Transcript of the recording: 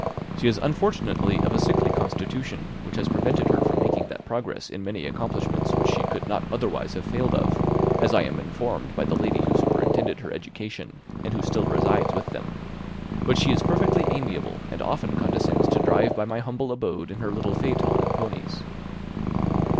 She is unfortunately of a sickly constitution, which has prevented her making that progress in many accomplishments which she could not otherwise have failed of, as I am informed by the lady who superintended her education, and who still resides with them. But she is perfectly amiable, and often condescends to drive by my humble abode in her little phaeton and ponies."